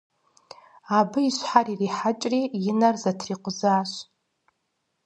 Абы и щхьэр ирихьэкӀри и нэр зэтрикъузащ.